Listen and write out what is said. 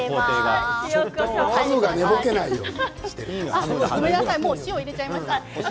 ハムが寝ぼけないようにしているから。